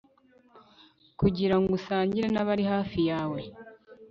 kugirango usangire nabari hafi yawe